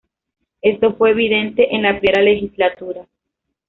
Esto fue evidente en la primera legislatura.